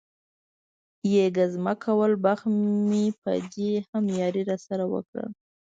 یې ګزمه کول، بخت مې په دې هم یاري را سره وکړل.